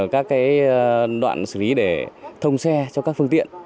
các đoạn xử lý để thông xe cho các phương tiện